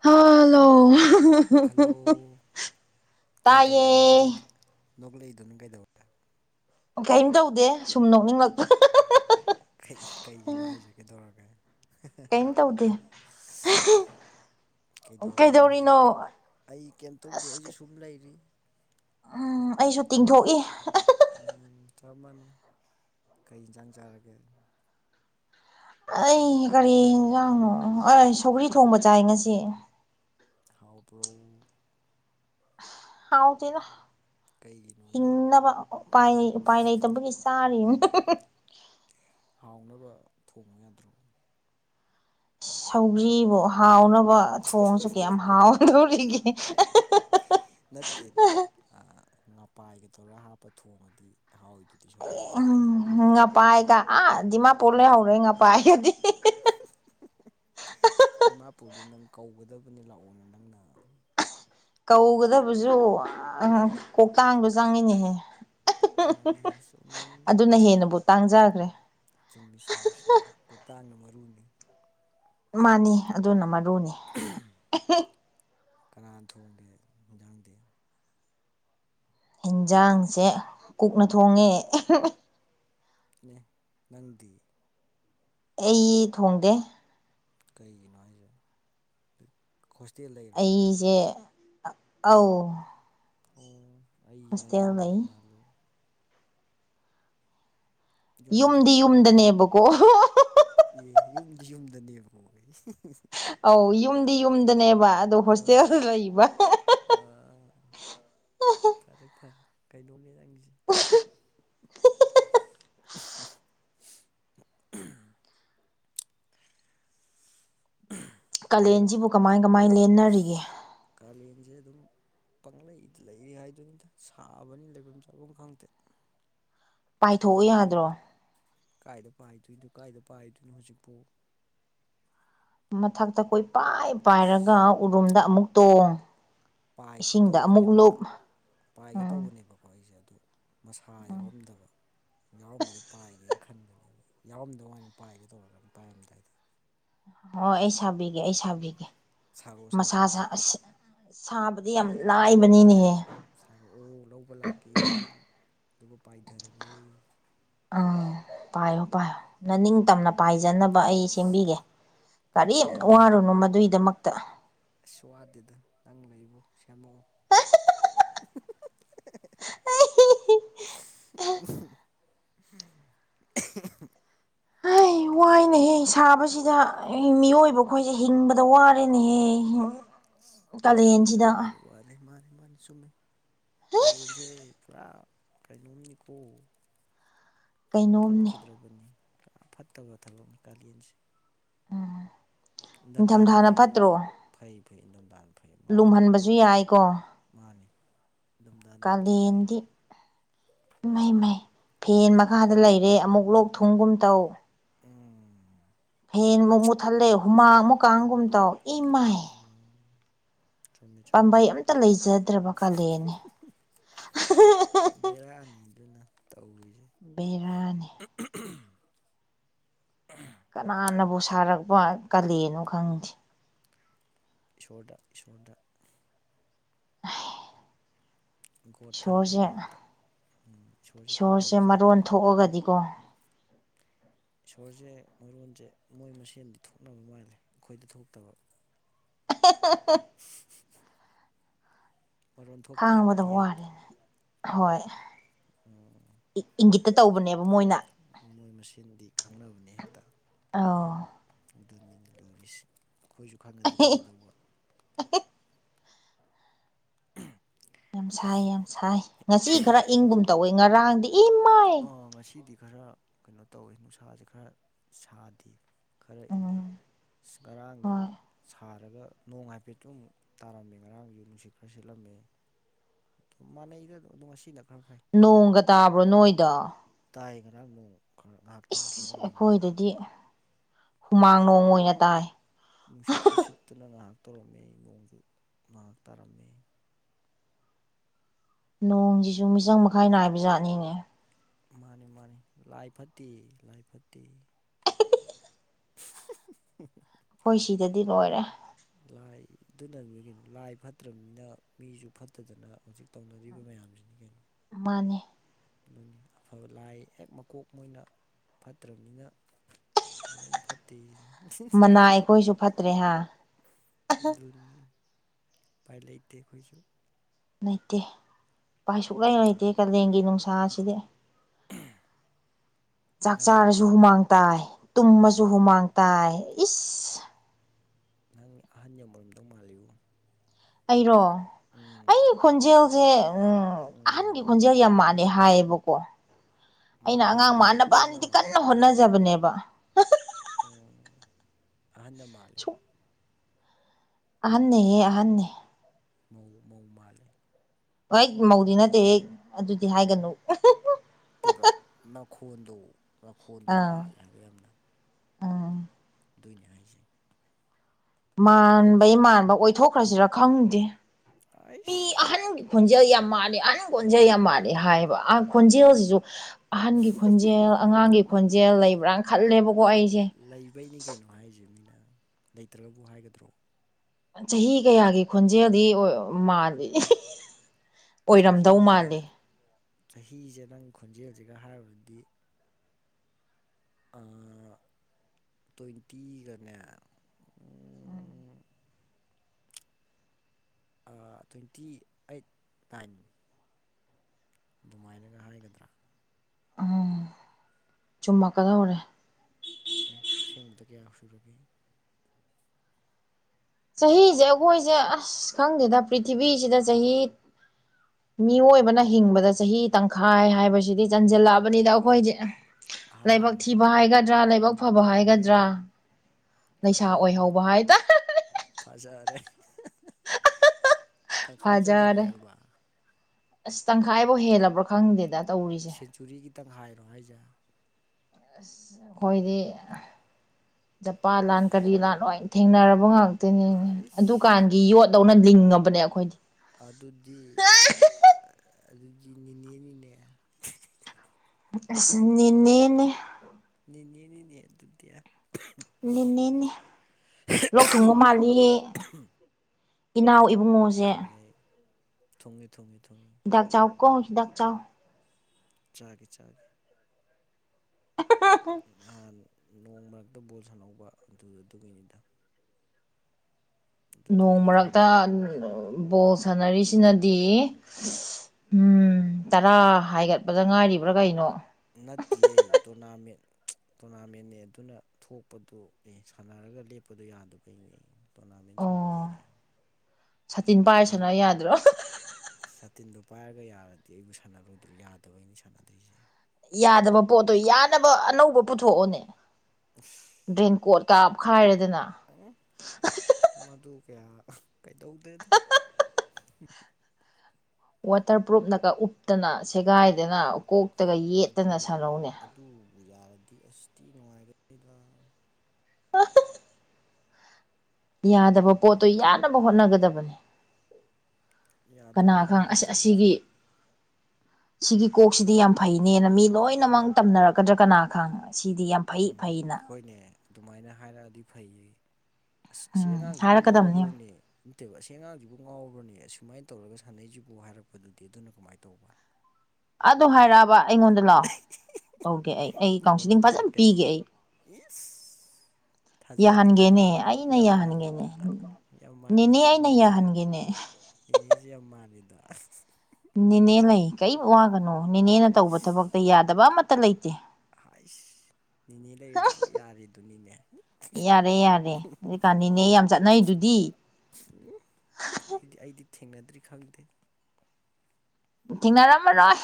Hello hello ꯀꯩꯗꯧꯔꯦ ꯇꯥꯏꯌꯦ ꯅꯣꯛꯂꯛꯏꯗꯨ ꯅꯣꯛꯂꯛꯏꯗꯨꯟ ꯀꯩꯗꯧ [inaudible] ꯀꯩꯝ ꯇꯧꯗꯦ ꯁꯨꯝ ꯅꯣꯛꯅꯤꯡꯂꯛꯄ ꯀꯩꯒꯤꯅꯣ ꯍꯥꯏꯖ‌ꯦ ꯀꯩꯗꯧꯔꯒꯦ ꯀꯩꯩꯝ ꯇꯧꯗꯦ ꯀꯩꯗꯧꯔꯝꯃꯤꯅꯣ ꯀꯩꯗꯧꯔꯤꯅꯣ ꯍꯧꯖꯤꯛꯄꯨ ꯑꯩ ꯀꯩꯝ ꯇꯧꯗꯦ ꯑꯁ ꯑꯩꯖꯨ ꯁꯨꯝ ꯂꯩꯔꯤ ꯎꯝ ꯑꯩꯁꯨ ꯇꯤꯡꯊꯣꯛꯏ ꯎꯝ ꯆꯞ ꯃꯥꯥꯟꯅꯩ ꯀꯩ ꯏꯟꯖꯥꯡ ꯆꯥꯔꯒꯦ ꯑꯩ ꯀꯔꯤ ꯏꯟꯖꯥꯡꯅꯣ ꯑꯩ ꯁꯧꯒ꯭ꯔꯤ ꯊꯣꯡꯕ ꯆꯥꯏ ꯉꯁꯤ ꯍꯥꯎꯕ꯭ꯔ‌ꯣ ꯍꯥꯎꯇ‌ꯦꯗ ꯀꯩꯒꯤꯅꯣꯅꯦ ꯍꯤꯡꯅꯕ ꯄꯥꯏ ꯎꯄꯥꯏ ꯂꯩꯇꯕꯒꯤ ꯆꯥꯔꯤꯝ ꯍꯥꯎꯅꯕ ꯊꯣꯡꯎ ꯌꯥꯗ꯭ꯔ‌ꯣ ꯏꯁ ꯁꯧꯒ꯭ꯔꯤꯕꯨ ꯍꯥꯎꯅꯕ ꯊꯣꯡꯉꯁꯨ ꯀꯌꯥꯝ ꯍꯥꯎꯗ‌ꯣꯔꯤꯒꯦ ꯅꯠꯇꯦ ꯑ ꯉꯄꯥꯏꯒ ꯇꯧꯔ ꯍꯥꯞꯄ ꯊꯣꯡꯉꯗꯤ ꯍꯥꯎꯏ ꯎꯝ ꯉꯄꯥꯏꯒ ꯑꯥ ꯗꯤꯃꯥꯄꯨꯔ ꯂꯩꯍꯧꯔꯦ ꯉꯄꯥꯏꯒꯗꯤ ꯗꯤꯃꯥꯄꯨꯔꯗꯨ ꯅꯪ ꯀꯧꯒꯗꯕꯅꯦ ꯂꯥꯛꯑꯣꯅ ꯅꯪꯅ ꯀꯧꯒꯗꯕꯁꯨ ꯑ ꯀꯣꯛꯇꯥꯡꯗꯣ ꯆꯪꯉꯤꯅꯦꯍꯦ ꯃꯥꯅꯤ ꯆꯨꯝꯃꯤꯅꯤ ꯑꯗꯨꯅ ꯍꯦꯟꯅꯕꯨ ꯇꯥꯡꯖꯈ꯭ꯔꯦ ꯆꯨꯝꯃꯤ ꯆꯨꯝꯃꯤ ꯆꯨꯝꯃꯤ ꯀ‌ꯣꯛꯇꯥꯡꯅ ꯃꯔꯨꯅꯤ ꯃꯥꯅꯤ ꯑꯗꯨꯅ ꯃꯔꯨꯅꯤ ꯀꯅꯥꯟ ꯊꯣꯡꯒꯦ ꯏꯟꯖꯥꯡꯗ‌ꯦ ꯍꯤꯟꯖꯥꯡꯁꯦ ꯀꯨꯛꯅ ꯊꯣꯡꯉꯦ ꯑꯦ ꯅꯪꯗꯤ ꯑꯩ ꯊꯣꯡꯗꯦ ꯀꯩꯒꯤꯅꯣ ꯍꯥꯏꯖ‌ꯦ ꯈꯣꯏꯁꯇꯦꯜ ꯂꯩ ꯑꯩꯖ‌ꯦ ꯑ ꯑꯧ ꯑꯣ ꯑꯩ ꯅꯪ ꯌꯨꯝ ꯂꯩ ꯃꯥꯜꯂꯨꯔ ꯌꯨꯝꯗ ꯌꯨꯝꯗꯤ ꯂꯩꯕ ꯃꯥꯜꯂꯨꯔꯦ ꯌꯨꯝꯗꯅꯦꯕꯀꯣ ꯑꯦ ꯌꯨꯝꯗꯤ ꯌꯨꯝꯗꯅꯦꯕ‌ꯣ [unintelligible] ꯑꯧ ꯌꯨꯝꯗꯤ ꯌꯨꯝꯗꯅꯦꯕ ꯑꯗꯣ ꯍꯣꯁꯇꯦꯜ ꯑꯥ ꯂꯩꯕ ꯑꯥ ꯐꯔꯦ ꯐꯔꯦ ꯀꯩꯅ‌ꫭꯝꯅꯤ ꯅꯪꯒꯤꯁ‌ꯦ ꯕꯣꯜ ꯀꯥꯂꯦꯟꯁꯤꯕꯨ ꯀꯃꯥꯏ ꯀꯃꯥꯏ ꯂꯦꯟꯅꯔꯤꯒꯦ ꯀꯥꯂꯦꯟꯁꯦ ꯑꯗꯨꯝ ꯄꯪꯂꯩꯗ ꯂꯩꯔ‌ꯦ ꯍꯥꯏꯗꯨꯅꯤꯗ ꯁꯥꯕꯅꯤ ꯂꯩꯐꯝ ꯆꯥꯐꯝ ꯈꯪꯗꯦ ꯄꯥꯏꯊꯣꯛꯎ ꯑꯗꯨꯝ ꯌꯥꯗ꯭ꯔꯣ ꯂꯦꯜꯂꯤ ꯀꯥꯏꯗ ꯄꯥꯏꯗꯣꯏꯅꯣ ꯀꯥꯏꯗ ꯄꯥꯏꯗꯣꯏꯅꯣ ꯍꯧꯖꯤꯛꯄꯨ ꯃꯊꯛꯇ ꯀꯣꯏ ꯄꯥꯏ ꯑꯁ ꯄꯥꯏꯔꯒ ꯎꯔꯨꯝꯗ ꯑꯃꯨꯛ ꯇꯣꯡ ꯄꯥꯏꯒꯦ ꯏꯁꯤꯡꯗ ꯑꯃꯨꯛ ꯇꯧꯕꯅꯦꯕ ꯂꯨꯞ ꯄꯥꯏꯒꯦ ꯎꯝ ꯇꯧꯕꯅꯦꯕꯀꯣ ꯑꯩꯁꯦ ꯑꯗꯨ ꯃꯁꯥ ꯌꯥꯎꯔꯝꯗꯕ ꯌꯥꯎꯔꯝꯕꯗꯤ ꯄꯥꯏꯒꯦꯅ ꯈꯟꯕꯅꯦꯕ ꯌꯥꯎꯔꯝꯗ ꯋꯥꯅꯤ ꯄꯥꯏꯒꯦ ꯇꯧꯔꯀꯥꯟ ꯄꯥꯏꯔꯝꯗꯥꯏꯗ ꯍꯣꯏ ꯑꯩ ꯁꯥꯕꯤꯒꯦ ꯑꯩ ꯁꯥꯕꯤꯒꯦ ꯁꯥꯔꯛꯑꯣ ꯃꯁꯥ ꯁꯥꯔꯛꯑꯣ ꯁꯥ ꯑꯁ ꯁꯥꯕꯗꯤ ꯌꯥꯝ ꯂꯥꯏꯕꯅꯤꯅꯦꯍꯦ ꯁꯥꯔꯛꯑꯣ ꯂꯧꯕ ꯂꯥꯛꯀꯦ ꯑꯗꯨꯒ ꯄꯥꯏꯊꯔꯒꯦ ꯑ ꯄꯥꯏꯌꯣ ꯄꯥꯏꯌꯣ ꯃꯅꯤꯡꯇꯝꯅ ꯄꯥꯏꯖꯅꯕ ꯑꯩ ꯁꯦꯝꯕꯤꯒꯦ ꯀꯔꯤꯝ ꯄꯥꯏꯊꯔ ꯋꯥꯔꯨꯅꯨ ꯃꯗꯨꯒꯤꯗꯃꯛꯇ ꯑꯁꯁꯨ ꯋꯥꯗꯦꯗ ꯅꯪ ꯂꯩꯕꯨ ꯁꯦꯝꯃꯛꯑꯣ ꯎꯝ [unintelligible] ꯑꯩ ꯋꯥꯏꯅꯦꯍꯦ ꯁꯥꯕꯁꯤꯗ ꯃꯤꯑꯣꯏꯕ ꯑꯩꯈꯣꯏꯁꯦ ꯍꯤꯡꯕꯗ ꯋꯥꯔꯦꯅꯦꯍꯦ ꯏꯪꯕꯗ ꯀꯥꯂꯦꯟꯁꯤꯗ ꯋꯥꯔꯦ ꯋꯥꯔꯦ ꯃꯥꯅꯦ ꯃꯥꯅꯤ ꯆꯨꯃ‌ꯦ ꯀꯂ‌ꯦꯟꯖ‌ꯦ ꯄꯨꯔꯥ ꯀꯩꯏꯅꯣꯝꯃꯤꯀꯣ ꯄꯨꯔ ꯀꯩꯅꯣꯝꯅꯤ ꯐꯠꯈꯤꯗ꯭ꯔꯕꯅꯤ ꯄꯨꯔꯥ ꯐꯠꯇꯕ ꯊꯕꯛꯅꯤ ꯀꯥꯂꯦꯟꯁꯦ ꯏꯊꯝꯊꯥꯅ ꯅꯤꯡꯊꯝꯊꯥꯅ ꯐꯩ ꯐꯠꯇ꯭ꯔꯣ ꯐꯩ ꯐꯩ ꯏꯝꯊꯝꯊꯥꯅ ꯐꯩ ꯑꯃꯣꯝꯗ ꯂꯨꯝꯍꯟꯕꯁꯨ ꯌꯥꯏꯀꯣ ꯍꯥꯏꯔꯒꯗꯤ ꯃꯥꯅꯦ ꯀꯥꯂꯦꯟꯗꯤ ꯃꯩ ꯃꯩ ꯐꯦꯟ ꯃꯈꯥꯗ ꯂꯩꯔꯦ ꯑꯃꯨꯛ ꯂꯣꯛ ꯊꯨꯡꯒꯨꯝ ꯇꯧ ꯎꯝ ꯐ‌ꯦꯟ ꯑꯃꯨꯛ ꯃꯨꯠꯊꯠꯂꯛꯦ ꯍꯨꯃꯥꯡ ꯑꯃꯨꯛ ꯀꯥꯡꯒꯨꯝ ꯇꯧ ꯏꯃꯥꯏ ꯎꯝ ꯆꯨꯝꯃꯤ ꯆꯨꯝꯃꯤ ꯄꯥꯝꯕꯩ ꯑꯝꯇ ꯂꯩꯖꯗ꯭ꯔꯕ ꯀꯥꯂꯦꯟꯅꯤ ꯕꯤꯔꯌꯥꯅꯤꯗꯨꯅ ꯇꯧꯔꯤꯁꯦ ꯕꯤꯔꯅꯤ [unintelligible] ꯀꯅꯥꯅꯕꯨ ꯁꯥꯔꯛꯄ ꯀꯂ‌ꯦꯅꯣ ꯈꯪꯗꯦ ꯏꯁꯣꯗ ꯏꯁꯣꯗ [unintelligible] ꯒꯣꯠꯇ ꯍꯪꯉꯣ ꯏꯁꯣꯔꯁꯦ ꯒꯣꯠꯇ ꯎꯝ ꯏꯁꯣꯔꯁꯦ ꯃꯔꯣꯟ ꯐꯠꯇꯕꯖꯥꯠꯅꯤꯀꯣ ꯊꯣꯛꯑꯒꯗꯤꯀꯣ [unintelligible] ꯏꯁꯣꯔꯁꯦ ꯃꯔꯣꯟꯁꯦ ꯃꯣꯏ ꯃꯁꯦꯟꯗꯤ ꯊꯣꯛꯅꯕ ꯃꯥꯜꯂꯦ ꯑꯩꯈꯣꯏꯗ ꯊꯣꯛꯇꯕ [unintelligible] ꯃꯔꯣꯟ ꯊꯣꯛꯇꯦ ꯈꯥꯡꯕꯗ ꯍꯥꯏꯕꯗꯤ ꯌꯥꯗꯦ ꯋꯥꯔꯦꯅꯦ ꯍꯣꯏ ꯏꯪꯒꯤꯠꯇ ꯇꯧꯕꯅꯦꯕ ꯃꯣꯏꯅ ꯃꯣꯏ ꯃꯁꯦꯟꯗꯤ ꯈꯪꯅꯕꯅꯦ ꯍꯦꯛꯇ ꯑꯥꯎ ꯑꯗꯨꯅꯤꯅ‌ꯦ ꯂꯨꯔꯤꯁꯤ ꯑꯩꯈꯣꯏꯁꯨ ꯈꯪꯉꯗꯤ ꯐꯗꯧꯕ [unintelligible] ꯌꯥꯝ ꯁꯥꯏ ꯌꯥꯝ ꯁꯥꯏ ꯉꯁꯤ ꯈꯔ ꯏꯪꯒꯨꯝ ꯇꯧꯋꯦ ꯉꯔꯥꯡꯗꯤ ꯏꯃꯥꯏ ꯑꯣ ꯉꯁꯤꯗꯤ ꯈꯔ ꯀꯩꯅꯣ ꯇꯧꯋꯦ ꯅꯨꯡꯁꯥꯁꯦ ꯈꯔ ꯁꯥꯗꯦ ꯈꯔ ꯏꯪꯉꯤ ꯎꯝ ꯉꯔꯥꯡꯁꯨ ꯍꯣꯏ ꯁꯥꯔꯒ ꯅꯣꯡ ꯍꯥꯏꯐꯦꯠꯁꯨ ꯇꯥꯔꯝꯃꯦ ꯉꯔꯥꯡꯁꯨ ꯅꯨꯡꯁꯤꯠ ꯈꯔ ꯁꯤꯠꯂꯝꯃꯦ ꯃꯥꯟꯅꯩꯗ ꯑꯗꯨꯝ ꯉꯁꯤꯅ ꯈꯔ ꯐꯩ ꯅꯣꯡꯒ ꯇꯥꯕ꯭ꯔꯣ ꯅꯣꯏꯗ ꯇꯥꯏꯌꯦ ꯉꯔꯥꯡ ꯅꯣꯡ ꯈꯔ ꯉꯥꯏꯍꯥꯛꯇꯪ ꯏꯁ ꯈꯤꯛꯑꯝꯃꯤ ꯅꯣꯡ ꯑꯩꯈꯣꯏꯗꯗꯤ ꯍꯨꯃꯥꯡ ꯅꯣꯡ ꯑꯣꯏꯅ ꯇꯥꯏ ꯅꯨꯡꯁꯤꯠꯒ ꯁꯤꯠꯇꯅ ꯉꯥꯏꯍꯥꯛ ꯇꯧꯔꯝꯃꯦ ꯅꯣꯡꯖꯨ ꯉꯥꯏꯍꯥꯛ ꯇꯥꯔꯝꯃꯤ ꯅꯣꯡꯁꯤꯁꯨ ꯃꯤꯆꯪ ꯃꯈꯥꯏ ꯅꯥꯏꯕꯖꯥꯠꯅꯤꯅꯦ ꯃꯥꯅꯤ ꯃꯥꯅꯤ ꯂꯥꯏ ꯐꯠꯇꯦ ꯂꯥꯏ ꯐꯠꯇꯦ [unintelligible] ꯍꯣꯏ ꯁꯤꯗꯗꯤ ꯂꯣꯏꯔꯦ ꯂꯥꯏꯗꯨꯅ ꯀꯩꯅꯣ ꯂꯥꯏ ꯐꯠꯇ꯭ꯔꯕꯅꯤꯅ ꯃꯤꯁꯨ ꯐꯠꯇꯗꯅ ꯍꯧꯖꯤꯛ ꯇꯧꯅꯔꯤꯕ ꯃꯌꯥꯝꯁꯤꯅꯤ ꯀꯩꯅꯣ ꯃꯥꯅꯤ ꯑꯗꯨꯅꯤ ꯑꯐꯕ ꯂꯥꯏ ꯍꯦꯛ ꯃꯀꯣꯛ ꯃꯣꯏꯅ ꯐꯠꯇ꯭ꯔꯕꯅꯤꯅ ꯃꯣꯏꯅ ꯐꯠꯇꯦ ꯃꯅꯥ ꯑꯩꯈꯣꯏꯁꯨ ꯐꯠꯇ꯭ꯔꯦ ꯍꯥ ꯑꯗꯨꯅꯤ ꯎꯄꯥꯏ ꯂꯩꯇꯦ ꯑꯩꯈꯣꯏꯁꯨ ꯂꯩꯇꯦ ꯎꯄꯥꯏ ꯁꯨꯡꯂꯩ ꯂꯩꯇꯦ ꯀꯥꯂꯦꯟꯒꯤ ꯅꯨꯡꯁꯥꯁꯤꯗꯤ [unintelligible] ꯆꯥꯛ ꯅꯪ ꯆꯥꯔꯁꯨ ꯍꯨꯃꯥꯡ ꯇꯥꯏ ꯇꯨꯝꯃꯁꯨ ꯎꯝ ꯍꯨꯃꯥꯡ ꯇꯥꯏ ꯏꯁ ꯅꯪꯁꯤ ꯑꯍꯟ ꯌꯥꯝ ꯑꯣꯏꯔꯝꯗꯧ ꯃꯥꯜꯂꯤꯕꯣ ꯑꯩꯔꯣ ꯑꯩꯒꯤ ꯈꯣꯟꯖꯦꯜꯁꯦ ꯎꯝ ꯑꯍꯟꯒꯤ ꯎꯝ ꯈꯣꯟꯖꯦꯜ ꯌꯥꯝ ꯃꯥꯥꯟꯂꯦ ꯍꯥꯏꯌꯦꯕꯀꯣ ꯑꯩꯅ ꯃꯥꯜꯂꯦ ꯑꯉꯥꯡ ꯑꯗꯨꯅꯦ ꯃꯥꯟꯅꯕꯅꯗꯤ ꯀꯟꯅ ꯍꯣꯠꯅꯖꯕꯅꯦꯕ ꯑꯍꯟꯗ ꯃꯥꯜꯂꯦ ꯑꯍꯟꯅꯤꯍꯦ ꯑꯍꯟꯅꯤꯍꯦ ꯃꯧ ꯃꯧ ꯃꯥꯜꯂꯦ ꯍꯦ ꯃꯧꯗꯤ ꯅꯠꯇꯦꯍꯦ ꯑꯗꯨꯗꯤ ꯍꯥꯏꯒꯅꯨ ꯅꯠꯇꯦꯕ ꯃꯈꯣꯟꯗꯨ ꯃꯈꯣꯟꯗꯨ ꯃꯥꯜꯂꯦ ꯍꯥꯏꯕ ꯌꯥꯝꯅ ꯑꯝ ꯑꯗꯨꯏꯅꯦ ꯍꯥꯏꯁꯦ ꯃꯥꯟꯕꯩ ꯃꯥꯟꯕ ꯑꯣꯏꯊꯣꯛꯈ꯭ꯔꯁꯤꯔꯥ ꯈꯪꯗꯦ ꯃꯤ ꯑꯩꯁ ꯑꯍꯟ ꯈꯣꯟꯖꯦꯜ ꯌꯥꯝ ꯃꯥꯂꯦ ꯑꯍꯥꯟ ꯈꯣꯟꯖꯦꯜ ꯌꯥꯝ ꯃꯥꯜꯂꯦ ꯍꯥꯏꯌꯦꯕ ꯑꯥ ꯈꯣꯟꯖꯦꯜꯁꯤꯁꯨ ꯑꯍꯟꯒꯤ ꯈꯣꯟꯖꯦꯜ ꯑꯉꯥꯡꯒꯤ ꯈꯣꯟꯖꯦꯜ ꯂꯩꯕ꯭ꯔꯥ ꯈꯜꯂꯦꯕꯀꯣ ꯑꯩꯁꯦ ꯂꯩꯕꯩꯅꯤ ꯀꯩꯅꯣ ꯍꯥꯏꯁꯦ ꯃꯤꯅ ꯂꯩꯇ꯭ꯔꯒꯕꯨ ꯍꯥꯏꯒꯗ꯭ꯔꯣ ꯆꯍꯤ ꯀꯌꯥꯒꯤ ꯈꯣꯟꯖꯦꯜꯗꯤ ꯃꯥꯜꯂꯤ ꯑꯣꯏꯔꯝꯗꯧ ꯆꯍꯤꯁꯦ ꯃꯥꯜꯂꯤ ꯆꯍꯤꯁꯦ ꯅꯪ ꯈꯣꯟꯖꯦꯜꯁꯤꯒ ꯍꯥꯏꯔꯨꯔꯗꯤ ꯑꯥ ꯇ꯭ꯋꯦꯟꯇꯤꯒꯅꯦ ꯎꯝ ꯇ꯭ꯋꯦꯟꯇꯤ ꯑꯩꯠ ꯅꯥꯢꯟ ꯑꯗꯨꯃꯥꯏꯅꯒ ꯍꯥꯏꯒꯗ꯭ꯔꯥ ꯎꯝ ꯆꯨꯝꯃꯛꯀꯗꯧꯔꯦ ꯑꯦ ꯁꯦꯡꯕꯗ ꯀꯌꯥ ꯁꯨꯔꯒꯦ ꯆꯍꯤꯖꯦ ꯑꯩꯈꯣꯏꯖꯦ ꯑꯁ ꯈꯪꯗꯦꯗ ꯄ꯭ꯔꯤꯊꯤꯕꯤꯁꯤꯗ ꯆꯍꯤ ꯃꯤꯑꯣꯏꯕꯅ ꯍꯤꯡꯕꯗ ꯆꯍꯤ ꯇꯪꯈꯥꯏ ꯍꯥꯏꯕꯁꯤꯗꯤ ꯆꯟꯖꯤꯜꯂꯛꯑꯕꯅꯤꯗ ꯑꯈꯣꯏꯗꯤ ꯑꯥ ꯑꯍꯥ ꯂꯥꯏꯕꯛ ꯊꯤꯕ ꯍꯥꯏꯒꯗ꯭ꯔꯥ ꯂꯥꯏꯕꯛ ꯐꯕ ꯑꯦ ꯍꯥꯏꯒꯗ꯭ꯔꯥ ꯂꯩꯁꯥ ꯐꯖꯔꯦ ꯑꯣꯏꯍꯧꯕ ꯍꯥꯏꯗ ꯐꯖꯔꯦ [unintelligible] ꯇꯪꯈꯥꯢ ꯐꯖꯔꯦ ꯆꯪꯖꯜꯂꯦꯕ ꯑꯁ ꯇꯪꯈꯥꯏꯐꯧ ꯍꯦꯜꯂꯕ꯭ꯔ ꯈꯪꯗꯦꯗ ꯇꯧꯔꯤꯁꯦ ꯁꯦꯟꯆꯨꯔꯤꯒꯤ ꯇꯪꯈꯥꯢꯔꯣ ꯍꯥꯏꯖꯦ ꯑꯁ ꯑꯈꯣꯏꯗꯤ ꯖꯄꯥꯟ ꯂꯥꯟ ꯑꯩꯁ ꯀꯔꯤ ꯂꯥꯟ ꯂꯣꯢ ꯊꯦꯡꯅꯔꯕ ꯉꯥꯛ ꯇꯅꯤꯅꯦ ꯑꯩꯁ ꯑꯗꯨꯀꯥꯟꯒꯤ ꯌꯣꯠꯗꯧꯅ ꯂꯤꯡꯉꯕꯅꯦ ꯑꯈꯣꯏꯗꯤ ꯑꯗꯨꯗꯤ ꯑꯗꯨꯗꯤ ꯅꯤꯅꯦꯅꯤꯅꯦ ꯑꯁ ꯅꯤꯅꯦꯅꯦ ꯅꯤꯅꯦ ꯅꯤꯅꯦ ꯑꯗꯨꯗꯤ ꯅꯤꯅꯦ ꯅꯦ ꯂꯣꯛ ꯊꯨꯡꯕ ꯃꯥꯜꯂꯤ ꯏꯅꯥꯎ ꯏꯕꯨꯡꯉꯣꯖꯦ ꯊꯨꯡꯉꯤ ꯊꯨꯡꯉꯤ ꯊꯨꯡꯉꯤ ꯍꯤꯗꯥꯛ ꯆꯥꯎ ꯀꯣ ꯍꯤꯗꯥꯛ ꯆꯥꯎ ꯆꯥꯒꯦ ꯆꯥꯒꯦ ꯅꯍꯥꯟ ꯅꯣꯡ ꯃꯔꯛꯇ ꯕꯣꯜ ꯁꯥꯟꯅꯧꯕ ꯑꯗꯨ ꯑꯗꯨꯒꯤꯅꯤꯗ ꯅꯣꯡ ꯑꯗꯨꯗꯒꯤ ꯈꯔ ꯃꯔꯛꯇ ꯈꯔ ꯕꯣꯜ ꯁꯥꯟꯅꯔꯤꯁꯤꯅꯗꯤ ꯎꯝ ꯇꯔꯥ ꯍꯥꯏꯒꯠꯄꯗ ꯉꯥꯏꯔꯤꯕ꯭ꯔꯥ ꯀꯩꯅꯣ ꯅꯠꯇꯤꯌꯦ ꯇꯣꯔꯅꯥꯃꯦꯟ [unintelligible] ꯇꯣꯔꯅꯥꯃꯦꯟꯅꯦ ꯑꯗꯨꯅ ꯊꯣꯛꯄꯗꯣ ꯑꯦ ꯁꯥꯟꯅꯔꯒ ꯂꯦꯞꯄꯗꯣ ꯌꯥꯗꯕꯩꯅꯦ ꯑꯩ ꯇꯣꯔꯅꯥꯃꯦꯟ ꯑꯣ ꯁꯥꯟꯅꯕꯩꯅꯦ ꯁꯥꯇꯤꯟ ꯄꯥꯏꯔ ꯑꯩ ꯁꯥꯅ ꯌꯥꯗ꯭ꯔꯣ [unintelligible] ꯁꯥꯇꯤꯟꯗꯣ ꯄꯥꯏꯔꯒ ꯌꯥꯔꯗꯤ ꯑꯩꯕꯨ ꯁꯥꯟꯅꯔꯣꯏꯗ꯭ꯔꯣ ꯌꯥꯗꯕꯩꯅꯦ ꯁꯥꯟꯅꯗ꯭ꯔꯤꯁꯦ ꯌꯥꯗꯕ ꯄꯣꯠꯇꯣ ꯌꯥꯅꯕ ꯑꯅꯧꯕ ꯄꯨꯊꯣꯑꯣꯅꯦ ꯑꯁ ꯔꯦꯟꯀꯣꯠ ꯀꯥꯞꯈꯥꯏꯔꯦꯗꯅ ꯎꯝ ꯃꯗꯨ ꯀ꯭ꯌꯥ ꯀꯩꯗꯧꯗꯦꯗ ꯋꯥꯇꯔ ꯄ꯭ꯔꯨꯞꯅꯒ ꯎꯞꯇꯅ ꯁꯦꯒꯥꯏꯗꯅ ꯀꯣꯛꯇꯒ ꯌꯦꯠꯇꯅ ꯁꯥꯟꯅꯧꯅꯦ ꯄꯨ ꯌꯥꯔꯗꯤ ꯑꯁꯇꯤ ꯅꯨꯡꯉꯥꯏꯒꯅꯤꯗ ꯌꯥꯗꯕ ꯄꯣꯠꯇꯣ ꯌꯥꯅꯕ ꯍꯣꯠꯅꯒꯗꯕꯅꯤ ꯀꯅꯥ ꯈꯪ ꯌꯥꯗꯕꯩꯅꯤꯅꯦ ꯑꯁ ꯇꯧꯔꯤꯁꯦ ꯑꯁꯤꯒꯤ ꯁꯤꯒꯤ ꯀꯣꯛꯁꯤꯗꯤ ꯌꯥꯝ ꯐꯩꯅꯦꯅ ꯃꯤ ꯂꯣꯏꯅꯃꯛ ꯇꯝꯅꯔꯛꯀꯗ꯭ꯔꯥ ꯀꯅꯥ ꯈꯪ ꯁꯤꯗꯤ ꯌꯥꯝ ꯐꯩ ꯎꯝ ꯐꯩꯅ ꯍꯣꯏꯅꯦ ꯗꯨꯃꯥꯏꯅ ꯍꯥꯏꯔꯛꯑꯗꯤ ꯐꯩꯌꯦ ꯑꯁ ꯑꯁꯤ ꯎꯝ ꯑꯉꯥꯡꯖꯤꯕꯨ ꯍꯥꯏꯔꯛꯀꯗꯕꯅꯤ ꯉꯥꯎꯕ꯭ꯔꯨꯅꯦ ꯅꯠꯇꯦꯕ ꯑꯁꯤ ꯑꯉꯥꯡꯖꯤꯕꯨ ꯉꯥꯎꯕ꯭ꯔꯅꯦ ꯑꯁꯨꯃꯥꯏꯅ ꯇꯧꯔꯒ ꯁꯥꯟꯅꯩꯖꯤꯕꯣ ꯍꯥꯏꯔꯛꯄꯗꯨꯗꯤ ꯑꯗꯨꯅ ꯀꯃꯥꯏꯅ ꯇꯧꯕ ꯑꯗꯨ ꯍꯥꯏꯔꯛꯑꯕ ꯑꯩꯉꯣꯟꯗ ꯂꯣ ꯇꯧꯒꯦ ꯑꯩ ꯑꯩ ꯅꯪꯉꯣꯟꯗ ꯀꯥꯎꯟꯁꯤꯂꯤꯡ ꯐꯖꯅ ꯂꯥꯛꯑꯀꯩ ꯄꯤꯒꯦ ꯑꯩ ꯏꯁ [inaudible] ꯊꯥꯖꯔꯤꯗ ꯌꯥꯝ ꯌꯥꯍꯟꯒꯦꯅꯦ ꯑꯩꯅ ꯌꯥꯝ ꯌꯥꯍꯟꯒꯦꯅꯦ ꯃꯥꯜꯂꯤꯗ ꯌꯥꯝ ꯅꯦꯅꯦ ꯃꯥꯜꯂꯤꯗ ꯑꯩꯅ ꯏꯅꯦꯖꯦ ꯌꯥꯍꯟꯒꯦꯅꯦ ꯏꯅꯦꯖꯦ ꯌꯥꯝ ꯃꯥꯜꯂꯤꯗ ꯅꯤꯅꯦ ꯂꯩ ꯀꯩꯝ ꯋꯥꯒꯅꯣ ꯅꯦꯅꯦꯅ ꯇꯧꯕ ꯍꯥꯏꯁ ꯊꯕꯛꯇ ꯌꯥꯗꯕ ꯑꯃꯠꯇ ꯂꯩꯇꯦ ꯍꯥꯏꯁ ꯅꯤꯅꯦ ꯂꯩꯔꯗꯤ ꯂꯣꯏ ꯌꯥꯔꯤꯗꯨꯅꯤꯅꯦ [unintelligible] ꯍꯧꯖꯤꯛ ꯀꯥꯟꯅꯤꯅꯦ ꯌꯥꯝ ꯆꯠꯅꯩꯗꯨꯗꯤ ꯑꯩꯗꯤ ꯑꯩꯗꯤ ꯊꯦꯡꯅꯗ꯭ꯔꯤ ꯈꯪꯗꯦ ꯊꯦꯡꯅꯔꯝꯃꯔꯣꯏ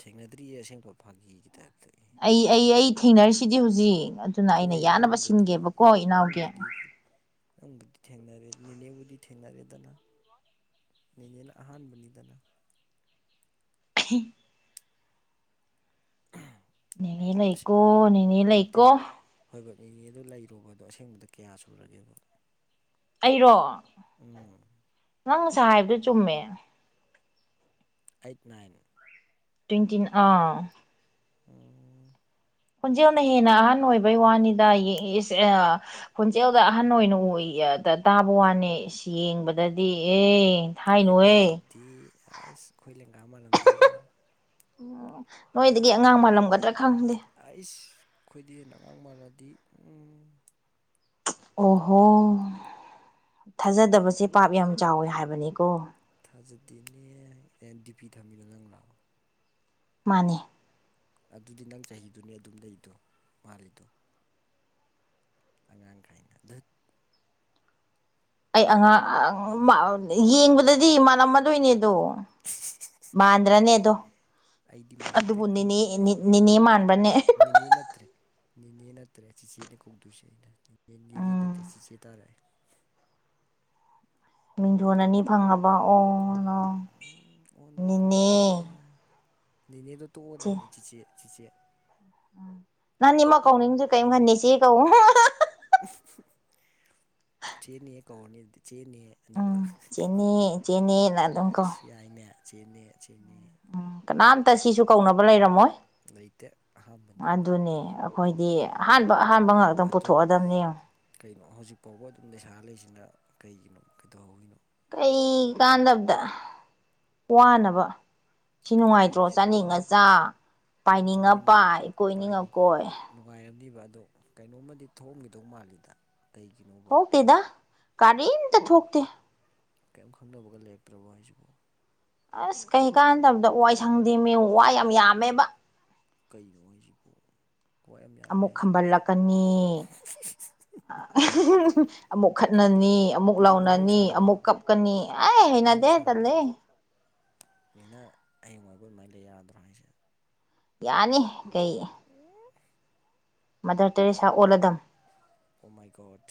ꯊꯦꯡꯅꯗ꯭ꯔꯤꯌꯦ ꯑꯁꯦꯡꯕ ꯐꯥꯒꯤꯒꯤ ꯇꯥꯏꯞꯇꯒꯤ ꯑꯦ ꯑꯩ ꯑꯩ ꯑꯩ ꯊꯦꯡꯅꯔꯤꯁꯤꯗꯤ ꯍꯧꯖꯤꯛ ꯑꯗꯨꯅ ꯑꯩꯅ ꯍꯣꯏ ꯌꯥꯅꯕ ꯅꯪꯕꯨꯗꯤ ꯁꯤꯟꯒꯦꯕ ꯀꯣ ꯏꯅꯥꯎꯒꯤ [inaudible] ꯑꯩ ꯊꯦꯡꯅꯔꯦ ꯅꯦꯅꯦꯕꯨꯗꯤ ꯊꯦꯡꯅꯔꯦꯗꯅ ꯅꯦꯅꯦꯅ ꯑꯍꯥꯟꯕꯅꯤꯗꯅ ꯊꯤ ꯅꯦꯅꯦ ꯑꯁ ꯂꯩꯀꯣ ꯅꯦꯅꯦ ꯅꯠꯇꯦ ꯂꯩꯀꯣ ꯍꯣꯏꯕ ꯅꯦꯅꯦꯗꯨ ꯂꯩꯔꯣꯕ ꯑꯗꯨ ꯑꯁꯦꯡꯕꯗ ꯀꯌꯥ ꯁꯨꯔꯒꯦꯕ ꯑꯩꯔꯣ ꯎꯝ ꯅꯪ ꯉꯁꯥꯏ ꯍꯥꯏꯕꯗꯨ ꯆꯨꯝꯃꯦ ꯑꯩꯠ ꯅꯥꯏꯟ ꯇ꯭ꯋꯦꯟꯇꯤꯟ ꯑꯥ ꯎꯝ ꯈꯣꯟꯖꯦꯜꯅ ꯍꯦꯟꯅ ꯑꯍꯟ ꯑꯣꯏꯕꯩ ꯋꯥꯅꯤꯗ ꯏꯁ ꯑꯥ ꯈꯣꯟꯖꯦꯜꯅ ꯑꯍꯟ ꯑꯣꯏꯅ ꯎ ꯇꯥꯕꯩ ꯋꯥꯅꯦ ꯌꯦꯡꯕꯗꯗꯤ ꯑꯦ ꯍꯥꯏꯅꯨꯍꯦ ꯌꯦꯡꯕꯗꯗꯤ ꯑꯁ ꯑꯩꯈꯣꯏ ꯂꯦꯡꯒ ꯃꯥꯜꯂꯝꯗꯣꯏꯔꯣ ꯎꯝ ꯅꯣꯏꯗꯒꯤ ꯑꯉꯥꯡ ꯃꯥꯜꯂꯝꯒꯗ꯭ꯔꯥ ꯈꯪꯗꯦ ꯑꯥꯏꯁ ꯑꯈꯣꯏꯗꯩ ꯍꯦꯟꯅ ꯑꯉꯥꯡ ꯃꯥꯜꯂꯗꯤ ꯎꯝ ꯑꯣꯍꯣ ꯊꯥꯖꯗꯕꯁꯦ ꯄꯥꯞ ꯌꯥꯝ ꯆꯥꯎꯏ ꯍꯥꯏꯕꯅꯤꯀꯣ ꯊꯥꯖꯗꯦꯅꯦ ꯑꯦ ꯗꯤ꯬ꯄꯤ ꯊꯝꯃꯤꯔꯣ ꯅꯪ ꯂꯣ ꯃꯥꯅꯤ ꯑꯗꯨꯗꯤ ꯅꯪ ꯆꯍꯤꯗꯨꯅꯤ ꯑꯗꯨꯝ ꯂꯩꯗꯣ ꯃꯥꯜꯂꯤꯗꯣ ꯑꯉꯥꯡ ꯀꯥꯏꯅ ꯗꯠ ꯑꯩ ꯑꯉꯥꯡ ꯌꯦꯡꯕꯗꯗꯤ ꯃꯥꯟꯂꯝ ꯃꯥꯗꯣꯏꯅꯦ ꯑꯗꯣ [unintelligible] ꯃꯥꯟꯗ꯭ꯔꯅꯦ ꯑꯗꯣ ꯑꯩꯗꯤ ꯃꯥꯟꯗꯦ ꯑꯗꯨꯕꯨ ꯅꯦꯅꯦ ꯅꯦꯅꯦ ꯃꯥꯟꯕ꯭ꯔꯥꯅꯦ ꯅꯤꯅꯦ ꯅꯠꯇ꯭ꯔꯦ ꯅꯤꯅꯦ ꯅꯠꯇ꯭ꯔꯦ ꯆꯤꯆꯦꯅ ꯀꯣꯡꯗꯣꯏꯁꯦ ꯑꯩꯅ ꯅꯤꯅꯦ ꯎꯝ ꯅꯠꯇꯦ ꯆꯤꯆꯦ ꯇꯥꯔꯛꯑꯦ ꯃꯤꯡꯊꯣꯟ ꯑꯅꯤ ꯐꯪꯉꯕ ꯑꯣ ꯅꯣ ꯑꯣꯟ ꯅꯣ ꯀꯃꯥꯏ ꯅꯦꯅꯦ ꯇꯧꯅꯤ ꯅꯤꯅꯦꯗꯣ ꯇꯣꯛ ꯆꯦ ꯑꯗꯝꯅꯤ ꯆꯤꯆꯦ ꯆꯤꯆꯦ ꯅꯪ ꯑꯅꯤꯃꯛ ꯀꯧꯅꯤꯡꯁꯨ ꯀꯩꯝ ꯈꯟꯗꯦ ꯆꯦ ꯀꯧ ꯆꯦꯅꯦ ꯀꯧꯔꯅꯤ ꯑꯗꯨꯗꯤ ꯆꯦꯅꯦ ꯎꯝ ꯑꯅꯤꯃꯛ ꯆꯦꯅꯦ ꯆꯦꯅꯦꯅ ꯑꯗꯨꯝ ꯀꯧ ꯍꯩꯁ ꯌꯥꯏꯅꯦ ꯆꯦꯅꯦ ꯆꯦꯅꯦ ꯎꯝ ꯀꯅꯥꯝꯇ ꯁꯤꯁꯨ ꯀꯧꯅꯕ ꯂꯩꯔꯝꯃꯣꯏ ꯂꯩꯇꯦ ꯑꯍꯥꯟꯕꯅꯤ ꯑꯗꯨꯅꯦ ꯑꯩꯈꯣꯏꯗꯤ ꯑꯍꯥꯟꯕ ꯑꯍꯥꯟꯕ ꯉꯥꯛꯇ ꯑꯗꯣ ꯄꯨꯊꯣꯛꯑꯗꯝꯅꯤ ꯌꯦꯡꯉꯣ ꯀꯩꯅꯣ ꯍꯧꯖꯤꯛ ꯐꯥꯎꯕ ꯑꯗꯨꯝ ꯂꯩꯁꯥꯔ ꯂꯩꯁꯤꯅ ꯀꯩꯒꯤꯅꯣ ꯀꯩꯗꯧꯍꯧꯔꯤꯅꯣ ꯀꯩ ꯀꯥꯟꯗꯕꯗ ꯋꯥꯅꯕ ꯁꯤ ꯀꯩꯅꯣ ꯅꯨꯡꯉꯥꯏꯇ꯭ꯔꯣ ꯍꯥꯏꯁꯤꯕꯨ ꯆꯥꯅꯤꯡꯉ ꯆꯥ ꯄꯥꯏꯅꯤꯡꯉ ꯍꯣꯏꯅꯦ ꯄꯥꯏ ꯀꯣꯏꯅꯤꯡꯉ ꯄꯥꯏꯗꯤ ꯀꯣꯏ ꯅꯨꯡꯉꯥꯏꯔꯝꯅꯤꯕ ꯑꯗꯣ ꯀꯩꯅꯣꯝꯃꯗꯤ ꯊꯣꯛꯑꯝꯒꯗꯧ ꯃꯥꯜꯂꯤꯗ ꯀꯩꯒꯤꯅꯣꯕ ꯊꯣꯛꯇꯦꯗ ꯀꯥꯔꯤꯝꯇ ꯊꯣꯛꯇꯦ ꯀꯩꯝ ꯈꯪꯅꯕꯒ ꯂꯩꯔꯛꯇ꯭ꯔꯕꯣ ꯍꯥꯏꯖꯤꯕꯣ ꯑꯁ ꯀꯩ ꯀꯥꯟꯗꯕꯗ ꯋꯥꯏ ꯁꯪꯗꯦꯃꯤ ꯋꯥ ꯌꯥꯝ ꯌꯥꯝꯃꯦꯕ ꯀꯩꯅꯣ ꯍꯥꯏꯖꯤꯕꯣ ꯑꯃꯨꯛ ꯈꯝꯕꯜꯂꯛꯀꯅꯤ [unintelligible] ꯑꯃꯨꯛ ꯈꯠꯅꯅꯤ ꯑꯃꯨꯛ ꯑꯗꯨꯗꯤ ꯂꯥꯎꯅꯅꯤ ꯃꯍꯧꯁꯥꯅꯤ ꯑꯃꯨꯛ ꯀꯞꯅꯅꯤ ꯑꯩ ꯍꯩꯅꯗꯦ ꯇꯜꯂꯦ꯫ ꯍꯌꯦꯡꯋꯥꯏꯕꯧ ꯑꯗꯨꯃꯥꯏꯅ ꯂꯩ ꯌꯥꯒꯗ꯭ꯔꯣ ꯍꯥꯏꯁꯦ꯫ ꯌꯥꯅꯤ ꯀꯩ ꯎꯝ ꯃꯥꯗ꯭ꯔ ꯇꯦꯔꯦꯁꯥ ꯑꯣꯜꯂꯗꯝ ꯑꯣ ꯃꯥꯏ ꯒꯣꯠ꯫